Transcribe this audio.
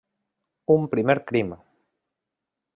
Un primer crim.